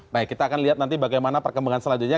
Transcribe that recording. baik kita akan lihat nanti bagaimana perkembangan selanjutnya